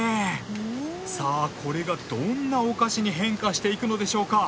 さあこれがどんなお菓子に変化していくのでしょうか？